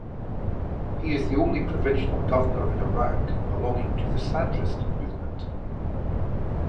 He is the only provincial governor in Iraq belonging to the Sadrist Movement.